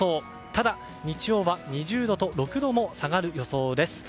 ただ、日曜は２０度と６度も下がる予想です。